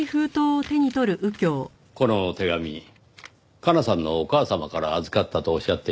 この手紙加奈さんのお母様から預かったとおっしゃっていましたが。